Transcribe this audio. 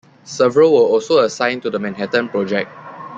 Several were also assigned to the Manhattan Project.